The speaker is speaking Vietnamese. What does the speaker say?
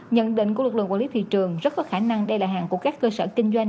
nhận định của lực lượng quản lý thị trường rất có khả năng đây là hàng của các cơ sở kinh doanh